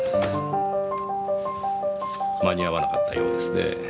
間に合わなかったようですねぇ。